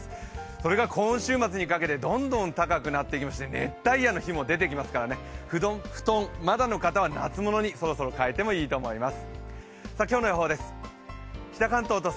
それが今週末にかけてどんどん高くなっていきまして、熱帯夜の日も出てきますから布団、まだの方は夏物にそろそろ変えてもいいかと思います。